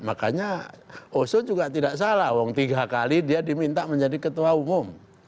makanya oso juga tidak salah wong tiga kali dia diminta menjadi ketua umum